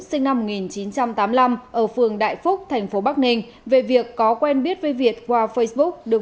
sinh năm một nghìn chín trăm tám mươi năm ở phường đại phúc thành phố bắc ninh về việc có quen biết với việt qua facebook được